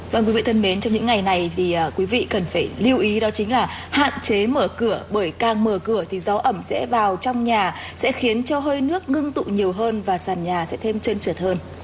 vâng quý vị thân mến trong những ngày này thì quý vị cần phải lưu ý đó chính là hạn chế mở cửa bởi càng mở cửa thì gió ẩm sẽ vào trong nhà sẽ khiến cho hơi nước ngưng tụ nhiều hơn và sàn nhà sẽ thêm chân trượt hơn